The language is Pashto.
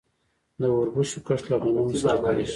د وربشو کښت له غنمو سره کیږي.